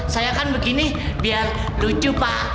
saya kan begini biar lucu pak